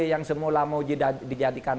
yang semula mau dijadikan